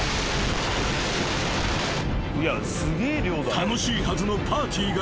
［楽しいはずのパーティーが一転。